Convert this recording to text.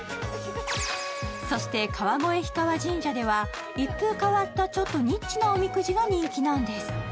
そして川越氷川神社では一風変わったちょっとニッチなおみくじが人気なんです。